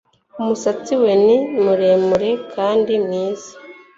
Umusatsi we ni muremure kandi mwiza